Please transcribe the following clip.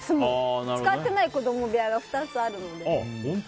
使ってない子供部屋が２つあるので。